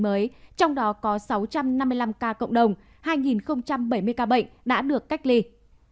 mới trong đó có sáu trăm năm mươi năm ca cộng đồng hai bảy mươi ca bệnh đã được cách ly